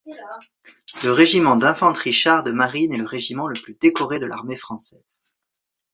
Le Régiment d'infanterie-chars de marine est le régiment le plus décoré de l'armée française.